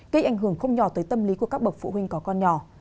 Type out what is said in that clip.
gây ảnh hưởng không nhỏ tới tâm lý của các bậc phụ huynh có con nhỏ